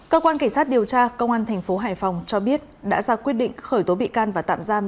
cơ quan cảnh sát điều tra công an tp cnh cho biết đã ra quyết định khởi tố bị can và tạm giam